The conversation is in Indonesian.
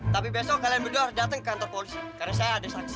tapi besok kalian berdua harus datang ke kantor polisi karena saya ada saksi